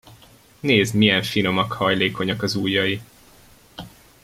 Nézd, milyen finomak, hajlékonyak az ujjai.